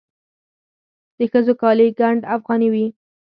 د ښځو کالي ګنډ افغاني وي.